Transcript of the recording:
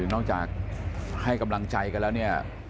นอกจากให้กำลังใจกันแล้วเนี่ย